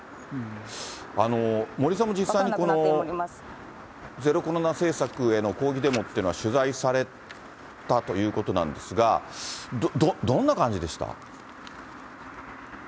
森さんも実際にゼロコロナ政策への抗議デモというのは取材されたということなんですが、どんな感じでした？